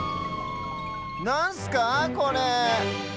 なんすかこれ？